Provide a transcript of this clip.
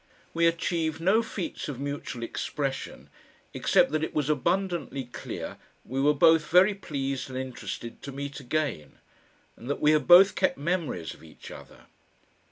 We achieved no feats of mutual expression, except that it was abundantly clear we were both very pleased and interested to meet again, and that we had both kept memories of each other.